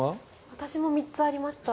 私も３つありました。